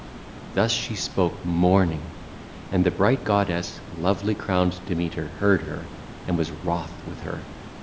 (ll. 250 255) Thus she spoke, mourning. And the bright goddess, lovely crowned Demeter, heard her, and was wroth with her.